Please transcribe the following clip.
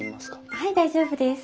はい大丈夫です。